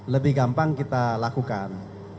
lebih gampang kita lakukan